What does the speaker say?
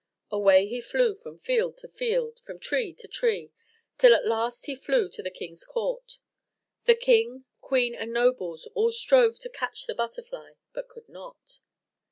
Away he flew from field to field, from tree to tree, till at last he flew to the king's court. The king, queen, and nobles, all strove to catch the butterfly, but could not.